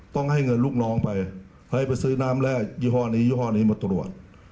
ต้องให้เงินลูกน้องไปเฮ้ยไปซื้อน้ำแร่ยี่ห้อนี้ยี่ห้อนี้มาตรวจ